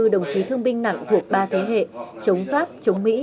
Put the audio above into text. chín mươi bốn đồng chí thương binh nặng thuộc ba thế hệ chống pháp chống mỹ